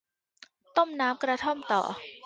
ต้มน้ำกระท่อมต่อ